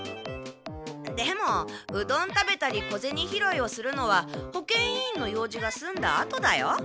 でもうどん食べたり小ゼニ拾いをするのは保健委員の用事がすんだあとだよ。